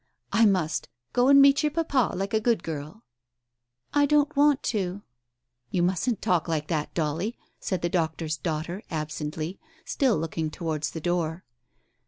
"I must. Go and meet your papa, like a good girl." "I don't want to." "You mustn't talk like that, Dolly," said the doctor's daughter absently, still looking towards the door.